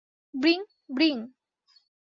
Bring, bring.